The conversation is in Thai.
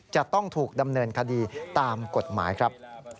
จะต้องถูกดำเนินคดีตามกฎหมายครับ